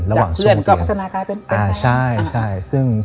จากเรื่องเกาะพัฒนากายเป็นเป็นไง